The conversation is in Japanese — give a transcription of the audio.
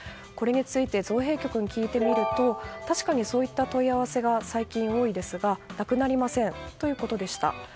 これについて造幣局に聞いてみると、確かにそういった問い合わせが最近多いですがなくなりませんということでした。